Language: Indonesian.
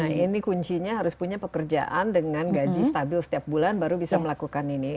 nah ini kuncinya harus punya pekerjaan dengan gaji stabil setiap bulan baru bisa melakukan ini